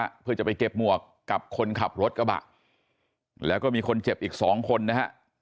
เพื่อจะไปเก็บหมวกกับคนขับรถกระบะแล้วก็มีคนเจ็บอีกสองคนนะฮะ